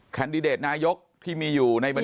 แดดิเดตนายกที่มีอยู่ในบัญชี